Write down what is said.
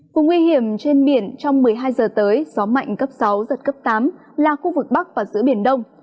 vùng nguy hiểm trên biển trong một mươi hai giờ tới gió mạnh cấp sáu giật cấp tám là khu vực bắc và giữa biển đông